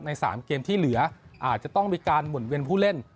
๓เกมที่เหลืออาจจะต้องมีการหมุนเวียนผู้เล่น